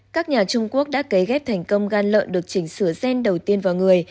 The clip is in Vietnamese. các nhà trung quốc đã cấy ghép thành công gan lợn được chỉnh sửa gen đầu tiên vào người